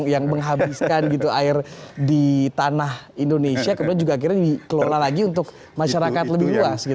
yang menghabiskan air di tanah indonesia kemudian juga akhirnya dikelola lagi untuk masyarakat lebih luas